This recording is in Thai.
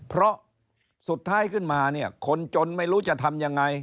เพราะสุดท้ายขึ้นมาเนี่ยคนจนไม่รู้จะทำยังไง